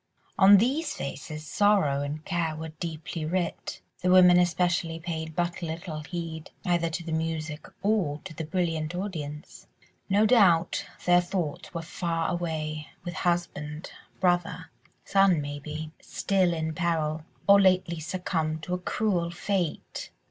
On these faces sorrow and care were deeply writ; the women especially paid but little heed, either to the music or to the brilliant audience; no doubt their thoughts were far away with husband, brother, son maybe, still in peril, or lately succumbed to a cruel fate.